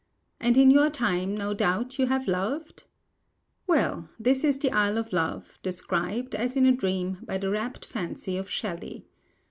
And, in your time, no doubt you have loved? Well, this is the Isle of Love, described, as in a dream, by the rapt fancy of Shelley.